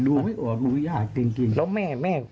ดูไม่ออกดูรู้อยากจริง